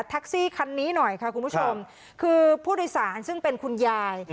ซี่คันนี้หน่อยค่ะคุณผู้ชมคือผู้โดยสารซึ่งเป็นคุณยาย